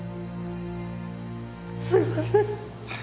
すみません！